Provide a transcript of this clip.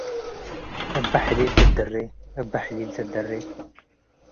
እበ ሕሊል ትትደሬ እበ ሕሊል ትትደሬ